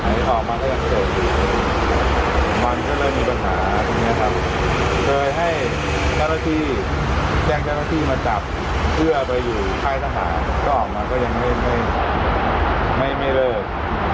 ออกมาก็ยังไม่ได้มันก็เลยมีปัญหาตรงเนี้ยครับเคยให้แชร์ลาที่แจ้งแชร์ลาที่มาจับเพื่อไปอยู่ไข้สถานก็ออกมาก็ยังเล่นไม่ไม่มีเลย